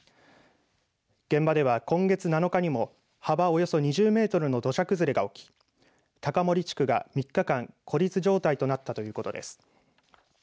現場では、今月７日にも幅およそ２０メートルの土砂崩れが起き高森地区が３日間、孤立状態となったということです。